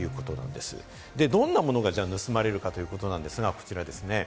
では、どんなものが盗まれるかということなんですが、こちらです。